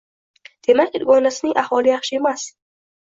Demak, dugonasining ahvoli yaxshi emas